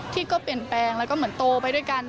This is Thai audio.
ที่ก็เปลี่ยนแปลงแล้วก็เหมือนโตไปด้วยกัน